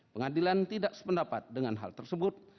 pengadilan tidak sependapat dengan hal tersebut